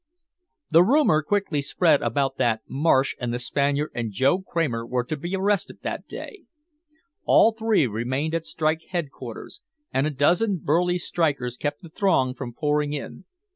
The rumor quickly spread about that Marsh and the Spaniard and Joe Kramer were to be arrested that day. All three remained at strike headquarters, and a dozen burly strikers kept the throng from pouring in.